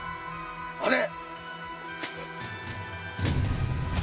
あれ。